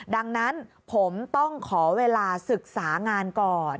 ดังนั้นผมต้องขอเวลาศึกษางานก่อน